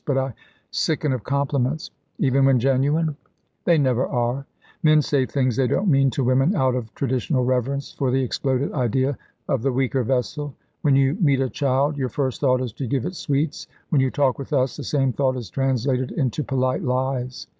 But I sicken of compliments." "Even when genuine?" "They never are. Men say things they don't mean to women out of traditional reverence for the exploded idea of the weaker vessel. When you meet a child your first thought is to give it sweets; when you talk with us the same thought is translated into polite lies.